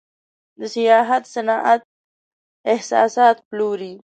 د سیاحت صنعت احساسات پلوري.